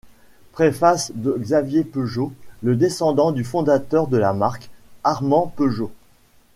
Préface de Xavier Peugeot, le descendant du fondateur de la marque, Armand Peugeot.